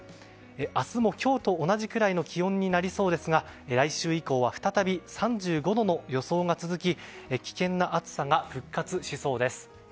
明日も今日と同じくらいの気温になりそうですが来週以降は再び３５度の予想が続き危険な暑さが復活しそうです。